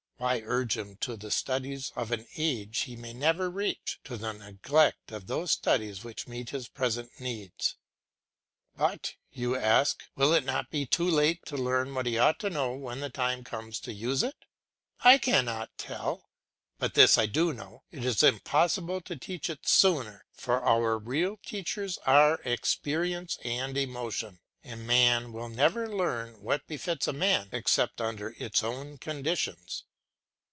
Why urge him to the studies of an age he may never reach, to the neglect of those studies which meet his present needs? "But," you ask, "will it not be too late to learn what he ought to know when the time comes to use it?" I cannot tell; but this I do know, it is impossible to teach it sooner, for our real teachers are experience and emotion, and man will never learn what befits a man except under its own conditions.